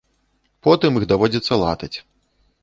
Потым іх даводзіцца латаць.